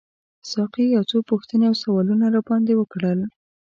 ساقي یو څو پوښتنې او سوالونه راباندي وکړل.